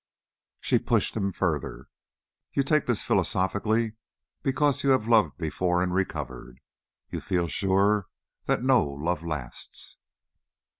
She pushed him further. "You take this philosophically because you have loved before and recovered. You feel sure that no love lasts."